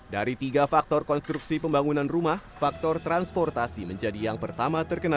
dari tiga faktor konstruksi pembangunan rumah faktor transportasi menjadi yang pertama terkena